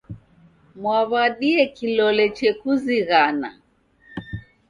Mwaw'adie kilole chekuzighana?